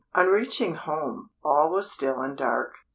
On reaching home, all was still and dark.